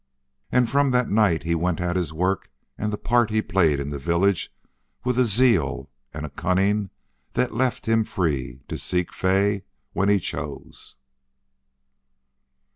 And from that night he went at his work and the part he played in the village with a zeal and a cunning that left him free to seek Fay when he chose.